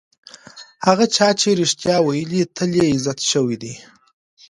هغه چا چې رښتیا ویلي، تل یې عزت شوی دی.